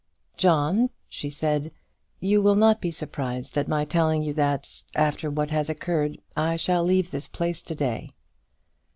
"John," she said, "you will not be surprised at my telling you that, after what has occurred, I shall leave this place to day."